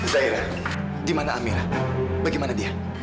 zairah dimana amirah bagaimana dia